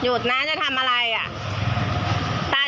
หยุดนะจะทำอะไรอ่ะ